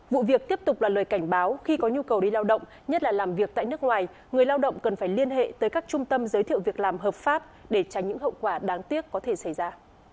vụ việc tiếp tục là lời cảnh báo khi có nhu cầu đi lao động nhất là làm việc tại nước ngoài người lao động cần phải liên hệ tới các trung tâm giới thiệu việc làm hợp pháp để tránh những hậu quả đáng tiếc có thể xảy ra